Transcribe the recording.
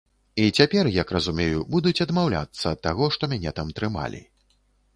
І цяпер, як разумею, будуць адмаўляцца ад таго, што мяне там трымалі.